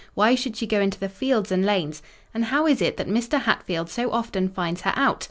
—why should she go into the fields and lanes? And how is it that that Mr. Hatfield so often finds her out?